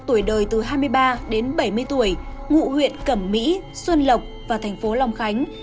tuổi đời từ hai mươi ba đến bảy mươi tuổi ngụ huyện cẩm mỹ xuân lộc và thành phố long khánh